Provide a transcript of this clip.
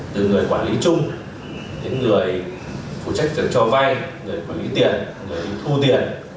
từ người quản lý chung đến người phụ trách chứng cho vay người quản lý tiền người thu tiền